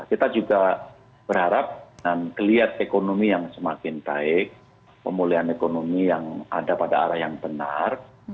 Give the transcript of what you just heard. kita juga berharap dengan kelihatan ekonomi yang semakin baik pemulihan ekonomi yang ada pada arah yang benar